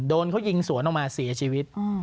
โดนเขายิงสวนออกมาเสียชีวิต